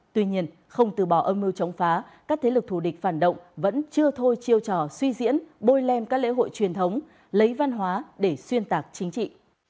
tuy nhiên không từ bỏ âm mưu chống phá các thế lực thù địch phản động vẫn chưa thôi chiêu trò suy diễn bôi lem các lễ hội truyền thống lấy văn hóa để xuyên tạc chính trị